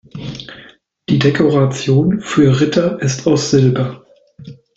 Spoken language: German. Die Dekoration für Ritter ist aus Silber.